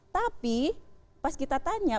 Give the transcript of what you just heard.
tapi pas kita tanya